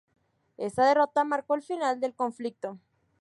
Esa derrota marcó el final del conflicto.